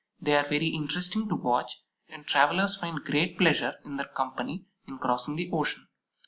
They are very interesting to watch, and travelers find great pleasure in their company in crossing the ocean.